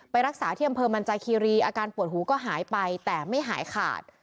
รักษาที่อำเภอมันจาคีรีอาการปวดหูก็หายไปแต่ไม่หายขาด